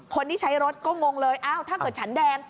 คนที่ใช้รถก็มงเลยถ้าเกิดชั้นแดง